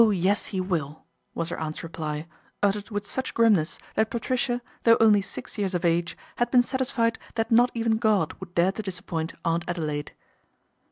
yes He will," was her aunt's reply, uttered with such grimness that Patricia, though only six years of age, had been satisfied that not even God would dare to disappoint Aunt Adelaide.